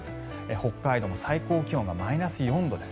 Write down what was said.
北海道も最高気温がマイナス４度です。